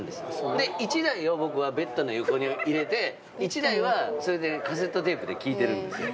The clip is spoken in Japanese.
で１台を僕はベッドの横に入れて１台はカセットテープで聴いてるんですよ。